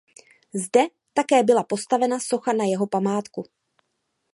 Zde také byla postavena socha na jeho památku.